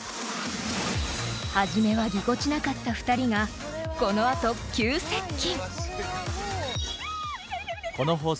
［初めはぎこちなかった２人がこのあと急接近］